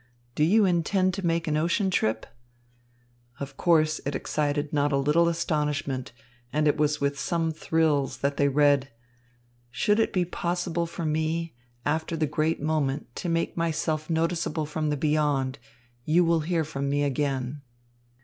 Do you intend to make an ocean trip?" Of course, it excited not a little astonishment, and it was with some thrills that they read: "Should it be possible for me, after the great moment, to make myself noticeable from the Beyond, you will hear from me again."